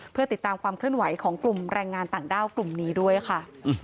เพื่อติดตามความเคลื่อนไหวของกลุ่มแรงงานต่างด้าวกลุ่มนี้ด้วยค่ะ